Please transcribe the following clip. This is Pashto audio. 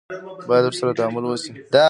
باید ورسره تعامل وشي.